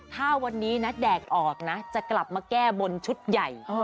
ถ้าวันนี้นะแดกออกนะจะกลับมาแก้บนชุดใหญ่